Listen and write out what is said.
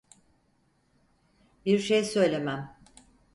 Bir şey söylemem.